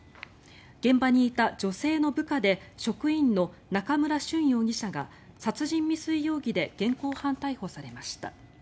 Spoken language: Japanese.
現場にいた女性の部下で職員の中村瞬容疑者が殺人未遂容疑で現行犯逮捕されました。